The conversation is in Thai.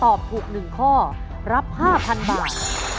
ตอบถูก๑ข้อรับ๕๐๐๐บาท